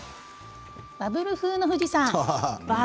「バブル風の富士山」。